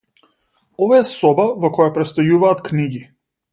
Ова е соба во која престојуваат книги.